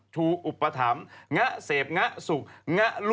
คือใครก็อุ๊ย